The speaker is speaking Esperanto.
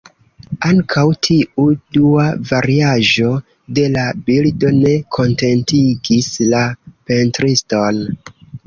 Ankaŭ tiu dua variaĵo de la bildo ne kontentigis la pentriston.